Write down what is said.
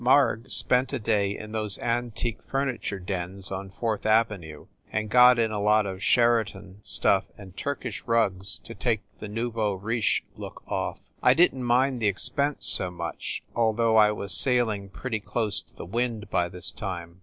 Marg spent a day in those antique furniture dens on Fourth Avenue, and got in a lot of Sheraton stuff and Turkish rugs to take the nouveau riche look off. I didn t mind the expense so much, although I was sailing pretty close to the wind by this time.